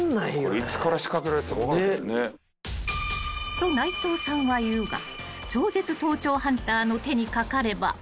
［と内藤さんは言うが超絶盗聴ハンターの手にかかれば］